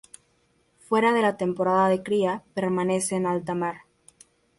Fuera de la temporada de cría permanece en alta mar.